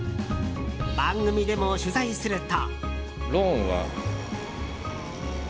番組でも取材すると。